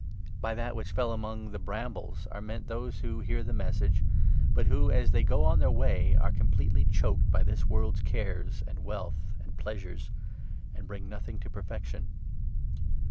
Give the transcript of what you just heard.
By that which fell among the brambles are meant those who 14 hear the Message, but who, as they go on their way, are com pletely choked by this world's cares and wealth and pleasures, and bring nothing to perfection.